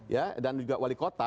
ya dan juga wali kota